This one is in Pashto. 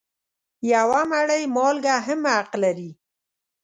یوه مړۍ مالګه هم حق لري.